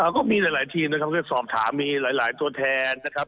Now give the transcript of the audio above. ก็มีหลายทีมนะครับก็สอบถามมีหลายตัวแทนนะครับ